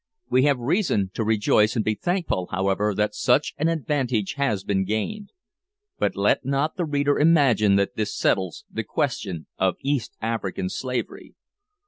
We have reason to rejoice and be thankful, however, that such an advantage has been gained. But let not the reader imagine that this settles the question of East African slavery.